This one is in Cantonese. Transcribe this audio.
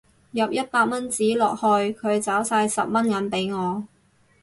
入一百蚊紙落去佢找晒十蚊銀俾我